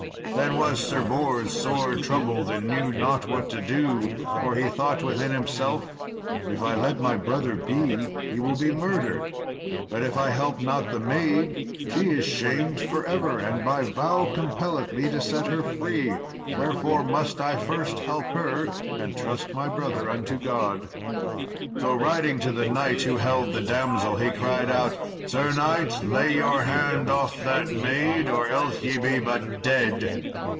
Then was Sir Bors sore troubled, and knew not what to do, for he thought within himself, "If I let my brother be, he will be murdered; but if I help not the maid, she is shamed for ever, and my vow compelleth me to set her free; wherefore must I first help her, and trust my brother unto God." So, riding to the knight who held the damsel, he cried out, "Sir knight, lay your hand off that maid, or else ye be but dead."